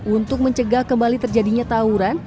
untuk mencegah kembali terjadinya tawuran